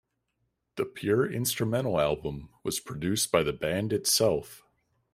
The pure instrumental album was produced by the band itself.